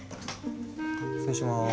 失礼します。